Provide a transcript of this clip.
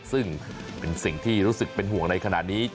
ซึ่งเป็นสิ่งที่รู้สึกเป็นห่วงในขณะนี้